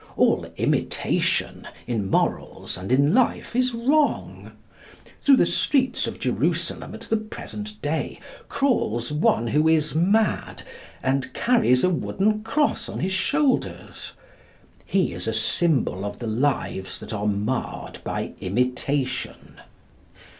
All imitation in morals and in life is wrong. Through the streets of Jerusalem at the present day crawls one who is mad and carries a wooden cross on his shoulders. He is a symbol of the lives that are marred by imitation.